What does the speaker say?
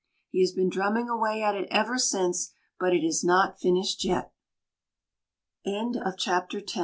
He has been drumming away at it ever since, but it is not finished yet. THE MERMAN